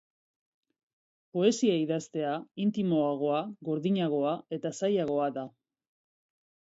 Poesia idaztea intimoagoa, gordinagoa eta zailagoa da.